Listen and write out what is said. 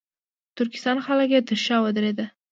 ترکستان خلک یې تر شا ودرېدل.